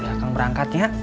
akang berangkat nya